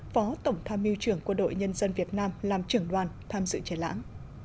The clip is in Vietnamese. phó tổng tham miêu trưởng của đội nhân dân việt nam làm trưởng đoàn tham dự triển lãm